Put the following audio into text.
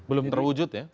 belum terwujud ya